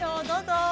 どうぞ。